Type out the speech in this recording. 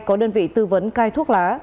có đơn vị tư vấn cai thuốc lá